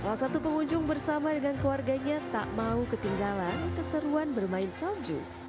salah satu pengunjung bersama dengan keluarganya tak mau ketinggalan keseruan bermain salju